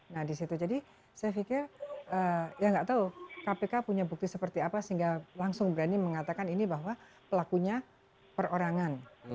nah disitu jadi saya pikir ya nggak tahu kpk punya bukti seperti apa sehingga langsung berani mengatakan ini bahwa pelakunya perorangan